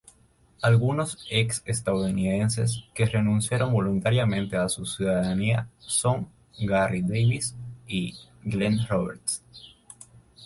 Algunos ex-estadounidenses que renunciaron voluntariamente a su ciudadanía son: Garry Davis y Glen Roberts.